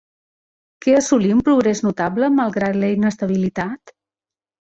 Què assolí un progrés notable malgrat la inestabilitat?